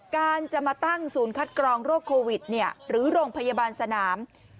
การจะมาตั้งศูนย์คัดกรองโรคโควิดหรือโรงพยาบาลสนาม